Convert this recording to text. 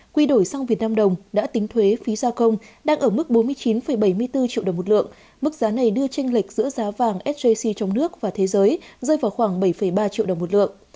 quy đổi sang việt nam đồng đã tính thuế phí gia công đang ở mức bốn mươi chín bảy mươi bốn triệu đồng một lượng mức giá này đưa tranh lệch giữa giá vàng sjc trong nước và thế giới rơi vào khoảng bảy ba triệu đồng một lượng